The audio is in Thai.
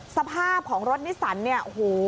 สภาพของรถนิสสันเนี่ย